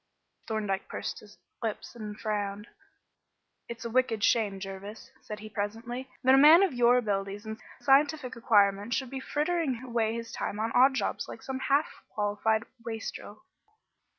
Thorndyke pursed up his lips and frowned. "It's a wicked shame, Jervis," said he presently, "that a man of your abilities and scientific acquirements should be frittering away his time on odd jobs like some half qualified wastrel."